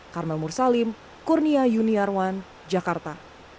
karmel mursalim kurnia yuniarwan jakarta